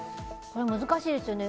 難しいですよね。